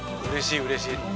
うれしいうれしい。